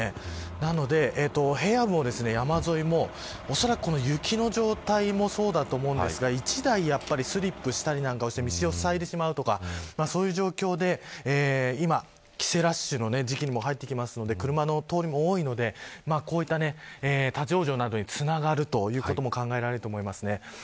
なので、平野部の山沿いもおそらく雪の状態もそうだと思うんですが１台スリップしたりなんかして道をふさいでしまうとかそういう状況で今、帰省ラッシュの時期にも入ってくるので車の通りも多いのでこういった立ち往生などにつながるということも考えられると思います。